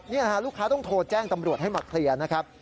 นี่นะฮะลูกค้าต้องโทรแจ้งตำรวจให้มาเคลียร์นะครับ